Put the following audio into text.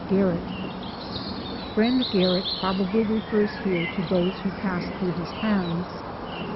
GARRETT. Friend Garrett probably refers here to those who passed through his hands.